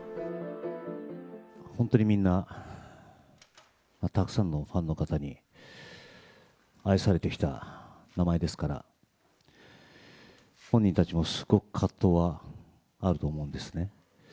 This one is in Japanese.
本当にみんな、たくさんのファンの方に愛されてきた名前ですから、本人たちもすごく葛藤はあると思うんですね。